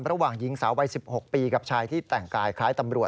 ระหว่างหญิงสาววัย๑๖ปีกับชายที่แต่งกายคล้ายตำรวจ